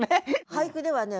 俳句ではね